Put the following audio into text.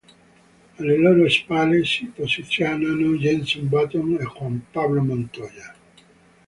Alle loro spalle si posizionano Jenson Button e Juan Pablo Montoya.